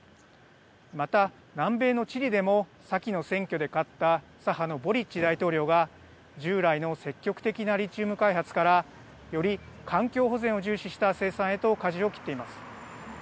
また、南米のチリでも先の選挙で勝った左派のボリッチ大統領が従来の積極的なリチウム開発からより環境保全を重視した生産へとかじを切っています。